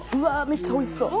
めっちゃおいしそう。